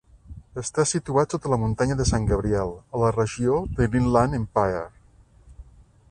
Està situat sota la muntanya de San Gabriel, a la regió de l'Inland Empire.